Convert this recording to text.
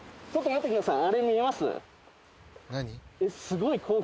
ちょっと降りてきてください。